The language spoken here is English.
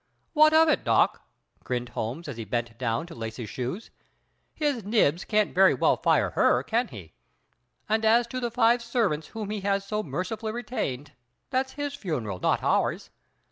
"What of it, Doc?" grinned Holmes, as he bent down to lace his shoes. "His Nibs can't very well fire her, can he? And as to the five servants whom he has so mercifully retained, that's his funeral, not ours.